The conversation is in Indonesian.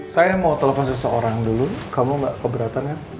saya mau telepon seseorang dulu kamu nggak keberatan ya